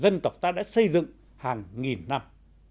đó là hành động mà dân tộc ta đã xây dựng hàng nghìn năm